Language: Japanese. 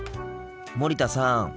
森田さん。